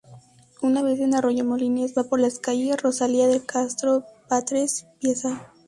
Una vez en Arroyomolinos, va por las calles Rosalía de Castro, Batres Pza.